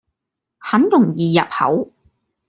很容易入口